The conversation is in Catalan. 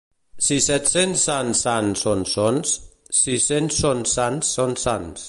Si set-cents sants sans són sons, sis-cents sons sans són sants.